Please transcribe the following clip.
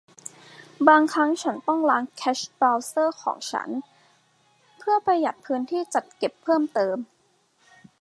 บางครั้งฉันต้องล้างแคชเบราว์เซอร์ของฉันเพื่อประหยัดพื้นที่จัดเก็บเพิ่มเติม